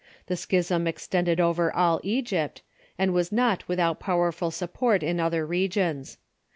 The schism extended over all Egypt, and was not without powerful support in other regions.